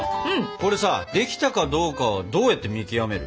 これさ出来たかどうかどうやって見極める？